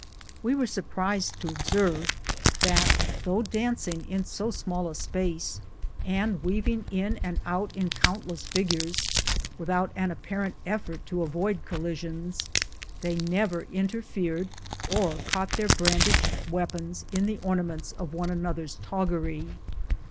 We were surprised to observe that though dancing in so small a space, and weaving in and out in countless figures, without an apparent effort to avoid collisions, they never interfered or caught their brandished weap ons in the ornaments of one another's toggery.